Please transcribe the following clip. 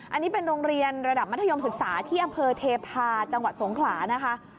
อันนี้เป็นโรงเรียนระดับมัธยมศึกษาที่อำเภอเทพาะจังหวัดสงขลานะคะ